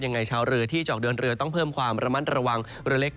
ชาวเรือที่จะออกเดินเรือต้องเพิ่มความระมัดระวังเรือเล็ก